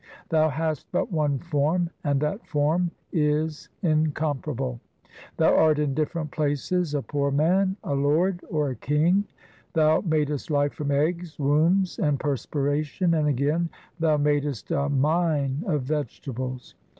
Thou hast but one form, and that form is incomparable. Thou art in different places a poor man, a lord, or a king ; Thou madest life from eggs, wombs, and perspiration, And again Thou madest a mine of vegetables.